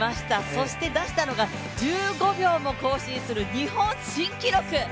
そして出したのが１５秒も更新する日本新記録！